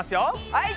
はい！